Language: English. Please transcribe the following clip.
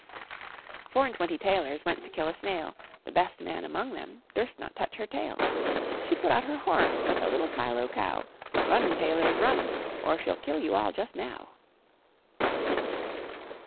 Four and twenty tailors Went to kill a snail; The best man among them Durst not touch her tail; She put out her horns Like a little Kyloe cow. Run, tailors, run, or She'll kill you all just now.